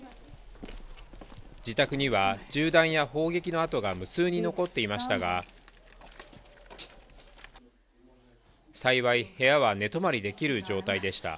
自宅には銃弾や砲撃のあとが無数に残っていましたが、幸い部屋は寝泊まりできる状態でした。